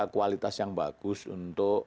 kualitas yang bagus untuk